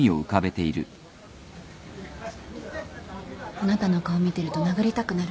あなたの顔見てると殴りたくなる。